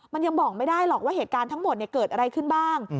มันยังบอกไม่ได้หรอกว่าเหตุการณ์ทั้งหมดเกิดอะไรขึ้นบ้าง